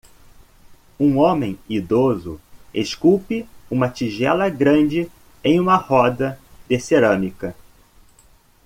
Um homem idoso esculpe uma tigela grande em uma roda de cerâmica.